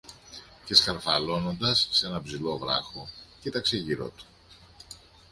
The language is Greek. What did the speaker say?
Και σκαρφαλώνοντας σ' έναν ψηλό βράχο, κοίταξε γύρω του.